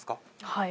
はい。